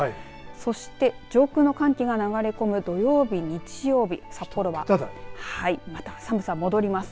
そして、上空の寒気が流れ込む土曜日、日曜日札幌はまた寒さ戻ります。